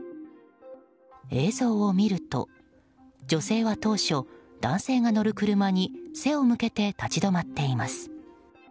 映像を見ると、女性は当初男性が乗る車に背を向けて立ち止まっています。